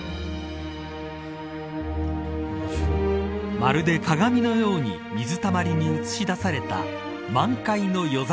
まるで鏡のように水たまりに映し出された満開の夜桜。